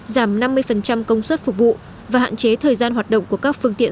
giảm năm mươi công suất phục vụ và hạn chế thời gian hoạt động của các phương tiện